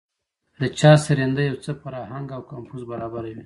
د چا سرېنده يو څه پر اهنګ او کمپوز برابره وي.